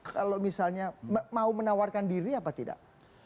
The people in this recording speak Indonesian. kalau misalnya mau menawarkan diri apa tidak